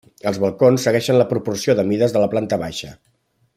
Els balcons segueixen la proporció de mides de la planta baixa.